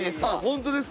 本当ですか？